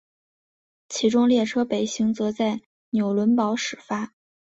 其中列车北行则在纽伦堡始发。